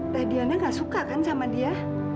tadiana gak suka kan sama dia